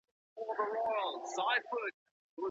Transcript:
ارواپوهنه دا ماناوي سپړي.